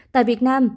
tại việt nam